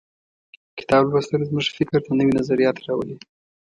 کتاب لوستل زموږ فکر ته نوي نظریات راولي.